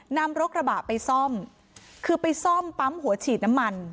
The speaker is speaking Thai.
นำรถกระบะไปซ่อมคือไปซ่อมปั๊มหัวฉีดน้ำมัน